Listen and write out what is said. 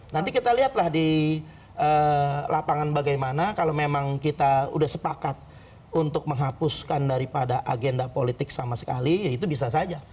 nanti kita lihatlah di lapangan bagaimana kalau memang kita sudah sepakat untuk menghapuskan daripada agenda politik sama sekali ya itu bisa saja